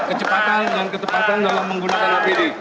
kecepatan dan ketepatan dalam menggunakan apd